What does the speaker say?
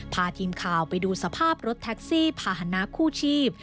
พาทีมข่าวไปดูสภาพรถแท็กซี่ภาษณะคู่ชีพ